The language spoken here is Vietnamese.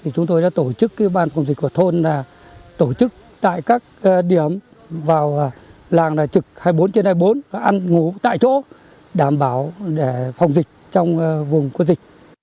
chúng tôi đã tổ chức ban phòng dịch của thôn tổ chức tại các điểm vào làng trực hai mươi bốn trên hai mươi bốn và ăn ngủ tại chỗ đảm bảo để phòng dịch trong vùng quân dịch